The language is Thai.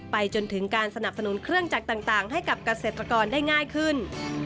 จนถึงการสนับสนุนเครื่องจักรต่างให้กับเกษตรกรได้ง่ายขึ้น